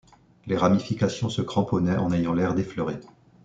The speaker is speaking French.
Les ramifications se cramponnaient en ayant l’air d’effleurer.